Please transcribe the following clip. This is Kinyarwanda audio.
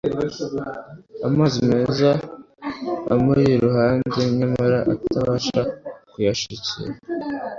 amazi meza amuri iruhande, nyamara atabasha kuyashyikira;